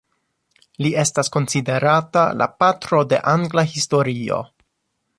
Li estas konsiderata "la patro de angla historio".